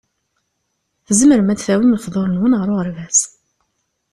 Tzemrem ad d-tawim lefḍur-nwen ɣer uɣerbaz.